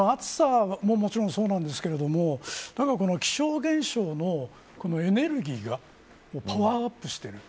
暑さももちろんそうなんですけれども気象現象のエネルギーがパワーアップしている。